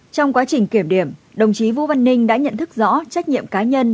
trong quá trình kiểm điểm đồng chí vũ văn ninh đã nhận thức rõ trách nhiệm cá nhân